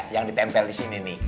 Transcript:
yang ditempel di sini nih